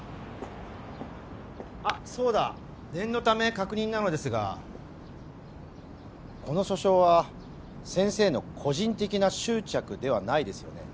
あっそうだ念のため確認なのですがこの訴訟は先生の個人的な執着ではないですよね？